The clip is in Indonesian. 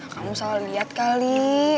kamu salah liat kali